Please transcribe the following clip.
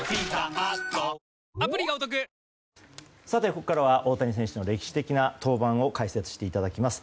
ここからは大谷選手の歴史的な登板を解説していただきます。